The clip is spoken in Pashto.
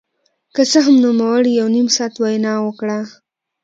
که څه هم نوموړي یو نیم ساعت وینا وکړه